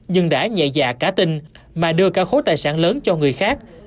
nhưng đã nhẹ dạ cá tinh mà đưa cả khối tài sản lớn cho người khác